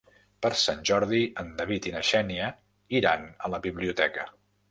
Per Sant Jordi en David i na Xènia iran a la biblioteca.